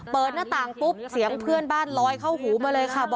เปิดหน้าต่างปุ๊บเสียงเพื่อนบ้านลอยเข้าหูมาเลยค่ะ